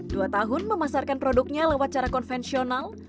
dua tahun memasarkan produknya lewat cara konvensional